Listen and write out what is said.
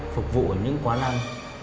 phục vụ ở những quán ăn